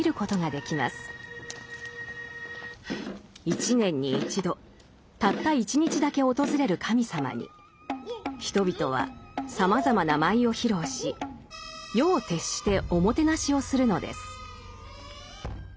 一年に一度たった１日だけ訪れる神様に人々はさまざまな舞を披露し夜を徹しておもてなしをするのです。